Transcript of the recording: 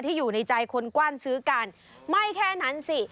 อยู่ในใจคนกว้านซื้อกันไม่แค่นั้นสิ